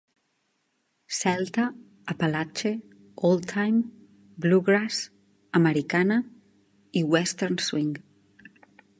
Celta, Apalatxe, Old Time, Bluegrass, Americana i Western Swing.